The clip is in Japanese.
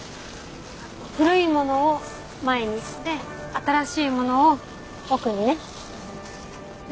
古いものを前にして新しいものを奥にね。